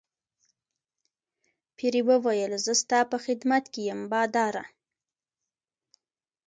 پیري وویل زه ستا په خدمت کې یم باداره.